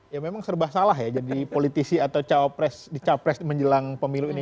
ya memang serba salah ya jadi politisi atau capres menjelang pemilu ini